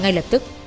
ngay lập tức